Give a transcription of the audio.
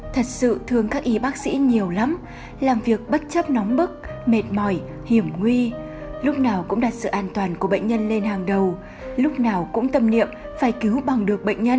thật sự thương các y bác sĩ nhiều lắm làm việc bất chấp nóng bức mệt mỏi hiểm nguy lúc nào cũng đặt sự an toàn của bệnh nhân lên hàng đầu lúc nào cũng tâm niệm phải cứu bằng được bệnh nhân